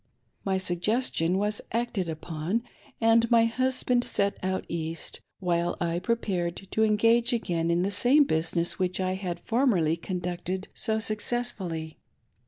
« My suggestion was acted upon, and my husband set out East, while I prepared to engage again in the same business which I had formerly conducted so successfully.